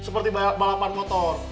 seperti balapan motor